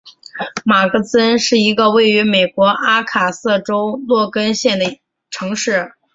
马格兹恩是一个位于美国阿肯色州洛根县的城市。